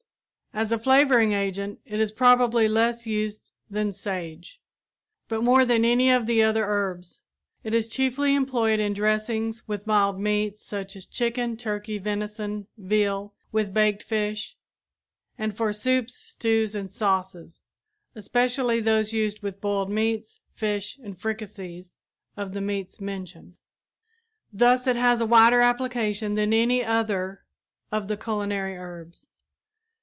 As a flavoring agent it is probably less used than sage, but more than any of the other herbs. It is chiefly employed in dressings with mild meats such as chicken, turkey, venison, veal, with baked fish; and for soups, stews, and sauces, especially those used with boiled meats, fish and fricassees of the meats mentioned. Thus it has a wider application than any other of the culinary herbs.